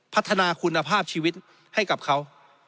พัฒนาคุณภาพชีวิตให้กับเขา